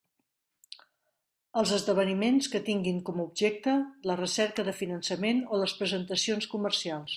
Els esdeveniments que tinguin com a objecte la recerca de finançament o les presentacions comercials.